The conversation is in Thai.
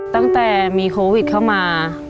ตั้งแต่มีโควิดเข้ามา